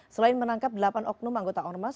selain menangkap delapan oknum anggota ormas